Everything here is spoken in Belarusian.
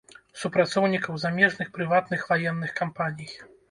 Супрацоўнікаў замежных прыватных ваенных кампаній.